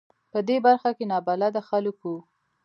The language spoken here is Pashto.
په دې برخه کې نابلده خلک و.